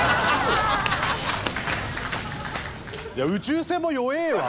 宇宙船も弱えわ！